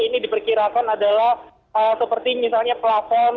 ini diperkirakan adalah seperti misalnya plafon